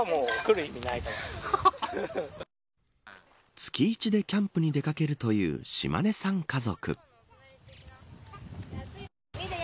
月一でキャンプに出掛けるという嶋根さん家族。